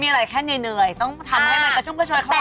ไม่มีอะไรแค่เหนียวต้องทำให้มันกระชุมเค้าได้